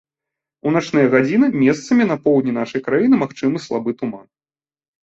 У начныя гадзіны месцамі на поўдні нашай краіны магчымы слабы туман.